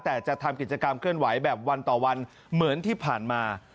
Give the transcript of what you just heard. แต่จะทำกิจกรรมเคลื่อนไหวแบบวันต่อวันเหมือนที่ผ่านมา